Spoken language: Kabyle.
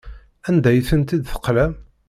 Anda ay tent-id-teqlam?